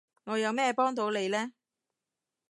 我有咩幫到你呢？